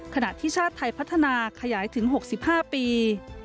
ขณะที่ชาติไทยพัฒนาขยายถึง๖๕ปี